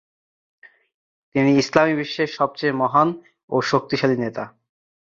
তিনি ইসলামি বিশ্বের সবচেয়ে মহান ও শক্তিশালী নেতা।